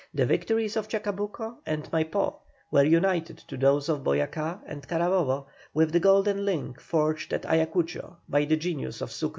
The victories of Chacabuco and Maipó were united to those of Boyacá and Carabobo, with the golden link forged at Ayacucho by the genius of Sucre.